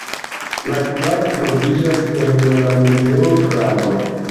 La kvar troviĝas en la Muzeo Prado.